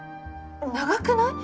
長くない？